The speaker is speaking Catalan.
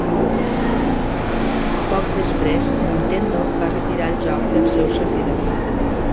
Poc després Nintendo va retirar el joc dels seus servidors.